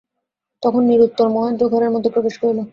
তখন নিরুত্তর মহেন্দ্র ঘরের মধ্যে প্রবেশ করিল।